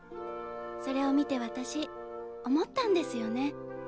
それを見て私思ったんですよね。